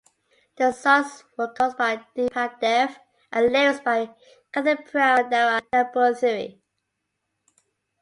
The songs were composed by Deepak Dev and lyrics by Kaithapram Damodaran Namboothiri.